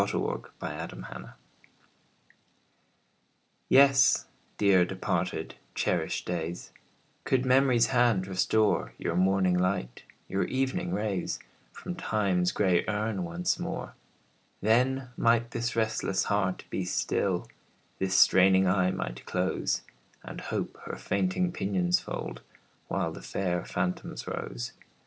DEPARTED DAYS YES, dear departed, cherished days, Could Memory's hand restore Your morning light, your evening rays, From Time's gray urn once more, Then might this restless heart be still, This straining eye might close, And Hope her fainting pinions fold, While the fair phantoms rose.